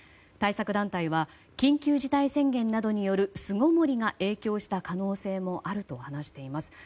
対策団体は緊急事態宣言などによる巣ごもりが影響した可能性もあると話しています。